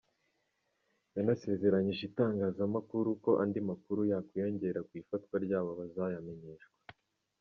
Yanasezeranije itangazamakuru ko andi makuru yakwiyongera kw’ifatwa ryabo bazayamenyeshwa.